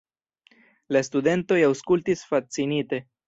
La studentoj aŭskultis fascinite.